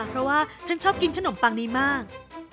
เพราะว่าฉันชอบกินขนมปังนี้มาก